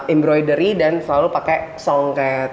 embroidary dan selalu pakai songket